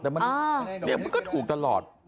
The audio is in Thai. แต่มันก็ถูกตลอด